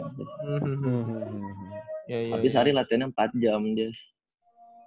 habis hari latihannya empat jam deh